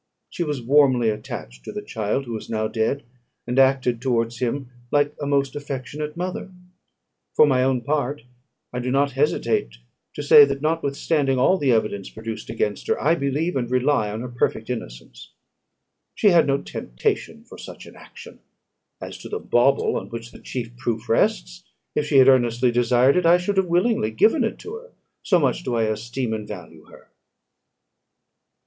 She was warmly attached to the child who is now dead, and acted towards him like a most affectionate mother. For my own part, I do not hesitate to say, that, notwithstanding all the evidence produced against her, I believe and rely on her perfect innocence. She had no temptation for such an action: as to the bauble on which the chief proof rests, if she had earnestly desired it, I should have willingly given it to her; so much do I esteem and value her."